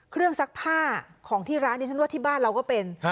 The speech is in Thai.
ซักผ้าของที่ร้านนี้ฉันว่าที่บ้านเราก็เป็น